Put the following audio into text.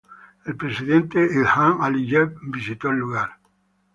El presidente Ilham Aliyev visitó el lugar.